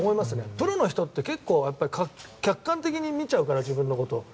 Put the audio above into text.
プロの人って結構、客観的に見ちゃうから自分のことを。